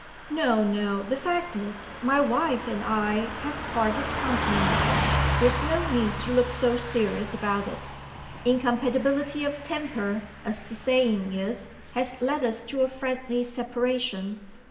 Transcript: No, no; the fact is, my wife and I have parted company. There's no need to look so serious about it! Incompatibility of temper, as the saying is, has led us to a friendly separation.